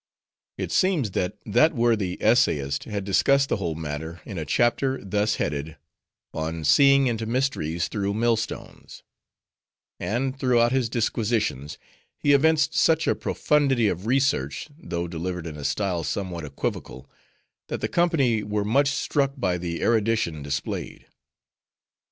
It seems that that worthy essayist had discussed the whole matter in a chapter thus headed: "On Seeing into Mysteries through Mill Stones;" and throughout his disquisitions he evinced such a profundity of research, though delivered in a style somewhat equivocal, that the company were much struck by the erudition displayed.